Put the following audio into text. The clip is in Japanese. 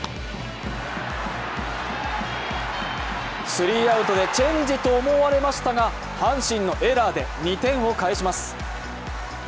スリーアウトでチェンジと思われましたが阪神のエラーで２点を返します。